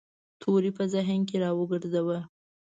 توری په ذهن کې را وګرځاوه.